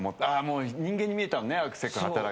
人間に見えたのね。